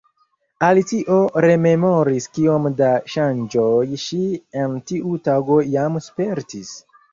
Alicio rememoris kiom da ŝanĝoj ŝi en tiu tago jam spertis.